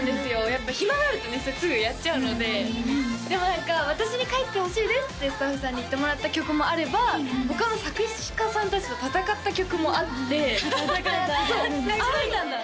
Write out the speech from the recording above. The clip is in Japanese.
やっぱ暇があるとねすぐやっちゃうのででも何か私に書いてほしいですってスタッフさんに言ってもらった曲もあれば他の作詞家さん達と戦った曲もあって戦ったのがあるんだ